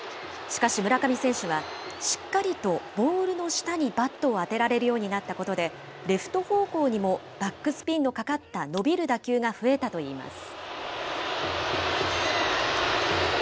しかし村上選手は、しっかりとボールの下にバットを当てられるようになったことで、レフト方向にもバックスピンのかかった伸びる打球が増えたといいます。